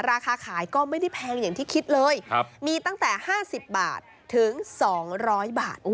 ราคาขายก็ไม่ได้แพงอย่างที่คิดเลยมีตั้งแต่๕๐บาทถึง๒๐๐บาท